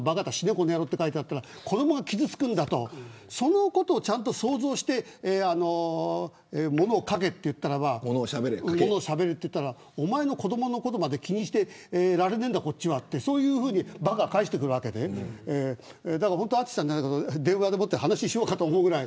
このやろうと書いてあったら子どもまで傷つくんだとそのことをちゃんと想像してものを書け、ものをしゃべれって言ったらお前の子どものことまで気にしてられないんだとばかは返してくるわけで淳さんと電話で話をしようかと思うぐらい。